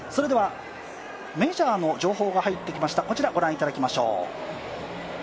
メジャーの情報が入ってきました、御覧いただきましょう。